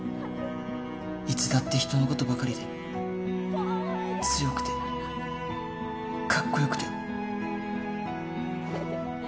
いつだって人のことばかりで強くてカッコよくて